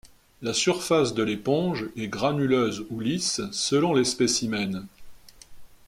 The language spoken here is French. La surface de l'éponge est granuleuse ou lisse selon les spécimens.